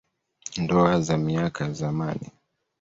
Ndoa za miaka ya zamani.